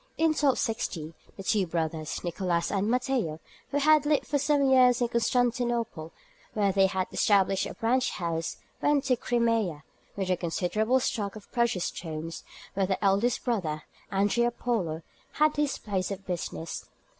In 1260 the two brothers, Nicholas and Matteo, who had lived for some years in Constantinople, where they had established a branch house, went to the Crimea, with a considerable stock of precious stones, where their eldest brother, Andrea Polo, had his place of business.